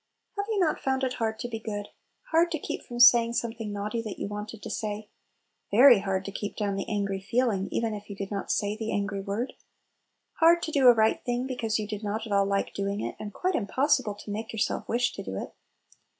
Have you not found it hard to be good? hard to keep from saying some thing naughty that you wanted to say? very hard to keep down the angry feel ing, even if you did not say the angry word? hard to do a right thing, be cause you did not at all like doing it, and quite impossible to make yourself wish to do it?